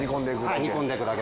煮込んでいくだけ？